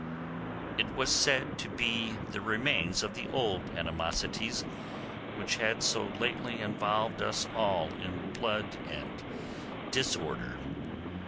It was said to be the remains of the old animosities, which had so lately involved us all in blood and disorder.